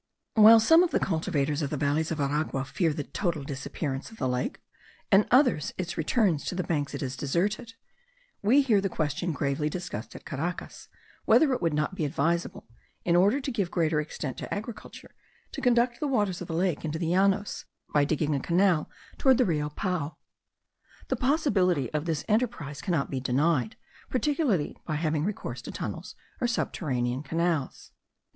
While some of the cultivators of the valleys of Aragua fear the total disappearance of the lake, and others its return to the banks it has deserted, we hear the question gravely discussed at Caracas, whether it would not be advisable, in order to give greater extent to agriculture, to conduct the waters of the lake into the Llanos, by digging a canal towards the Rio Pao. The possibility* of this enterprise cannot be denied, particularly by having recourse to tunnels, or subterranean canals.